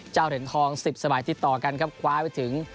เหรียญทอง๑๐สมัยติดต่อกันครับคว้าไปถึง